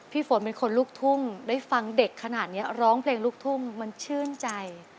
ฝนเป็นคนลูกทุ่งได้ฟังเด็กขนาดนี้ร้องเพลงลูกทุ่งมันชื่นใจ